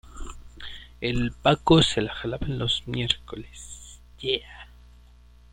Su dedicación administrativa fue en detrimento de su propia carrera investigadora.